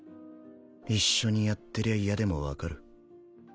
一緒にやってりゃ嫌でもわかる。